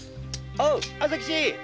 おい朝吉